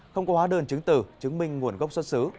không có hóa đơn chứng tử chứng minh nguồn gốc xuất xứ